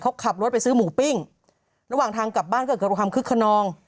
เขาขับรถไปซื้อหมูปิ้งระหว่างทางกลับบ้านก็เกิดความคึกขนอง